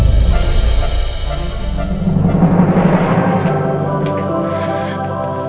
tidak ada yang peduli sama mbak andi